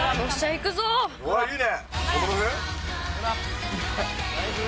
いいね。